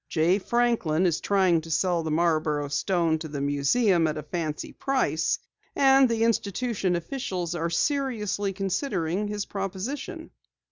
Jay Franklin is trying to sell the Marborough stone to the museum at a fancy price, and the institution officials are seriously considering his proposition."